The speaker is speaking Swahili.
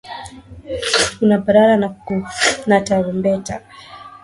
Una papara ka tarumbeta.